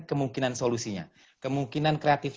kemungkinan solusinya kemungkinan